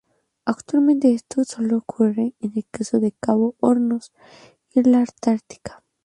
Actualmente esto sólo ocurre en el caso de Cabo de Hornos y la Antártica.